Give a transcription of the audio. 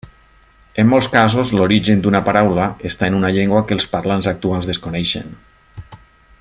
En molts casos l'origen d'una paraula està en una llengua que els parlants actuals desconeixen.